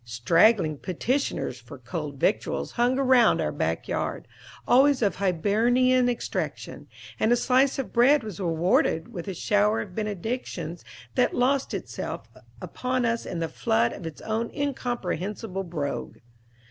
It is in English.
Straggling petitioners for "cold victuals" hung around our back yard, always of Hibernian extraction; and a slice of bread was rewarded with a shower of benedictions that lost itself upon us in the flood of its own incomprehensible brogue.